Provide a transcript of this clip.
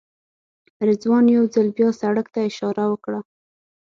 رضوان یو ځل بیا سړک ته اشاره وکړه.